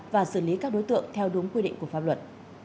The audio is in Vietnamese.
và xử lý các đối tượng theo đúng quy định của pháp luật